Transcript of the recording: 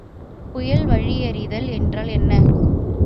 புயல் வழியறிதல் என்றால் என்ன?